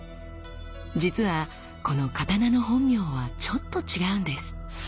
実はこの刀の本名はちょっと違うんです。